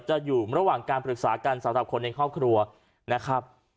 อยู่ระหว่างการปรึกษากันสำหรับคนในครอบครัวนะครับ